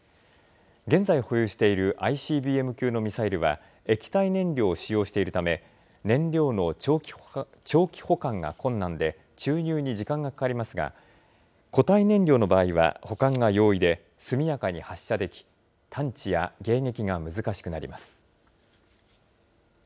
現在保有しているＩＣＢＭ級のミサイルは、液体燃料を使用しているため、燃料の長期保管が困難で、注入に時間がかかりますが、固体燃料の場合は保管が容易で、速やかに発射でき、探知や迎撃が難しくなります。